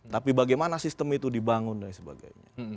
tapi bagaimana sistem itu dibangun dan sebagainya